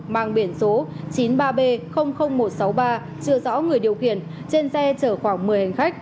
mang biển số chín mươi ba b một trăm sáu mươi ba chưa rõ người điều khiển trên xe chở khoảng một mươi hành khách